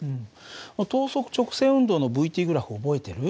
等速直線運動のυ−ｔグラフ覚えてる？